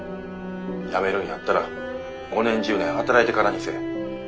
辞めるんやったら５年１０年働いてからにせえ。